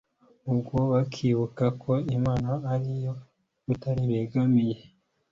ubwo bakibuka ko imana ari yo rutare begamiye